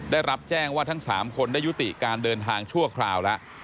ได้รับแจ้งว่าทั้ง๓คนได้ยุติการเดินทางชั่วคราวแล้ว